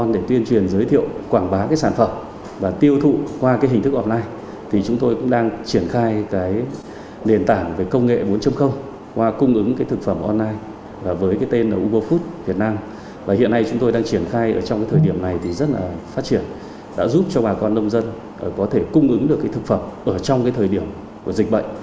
để có thể cung ứng được thực phẩm ở trong thời điểm của dịch bệnh